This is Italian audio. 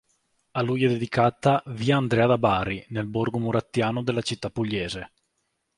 A lui è dedicata Via Andrea da Bari, nel borgo Murattiano della città pugliese.